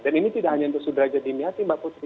dan ini tidak hanya untuk sudraja dimyati mbak putri